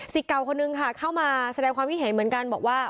สิทธิ์เก่าคนนึงค่ะเข้ามาแสดงความพิเศษเหมือนกันบอกว่า